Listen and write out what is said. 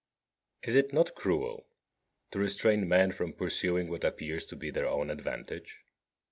27. Is it not cruel to restrain men from pursuing what appears to be their own advantage?